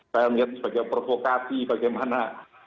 saya melihat sebagai provokasi bagaimana